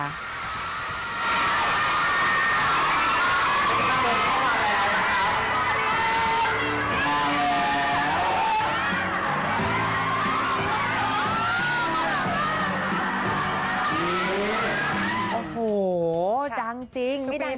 โอ้โหดังจริงไม่ดังจริงทำไม่ได้นะ